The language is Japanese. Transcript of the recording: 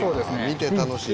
「見て楽しい。